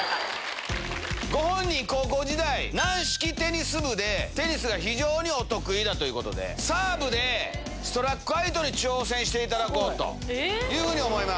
ご本人、高校時代、軟式テニス部で、テニスが非常にお得意だということで、サーブでストラックアウトに挑戦していただこうというふうに思います。